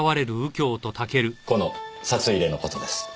この札入れの事です。